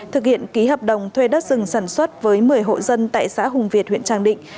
thực hiện ký hợp đồng thuê đất rừng sản xuất với một mươi hộ dân tại xã hùng việt huyện trang định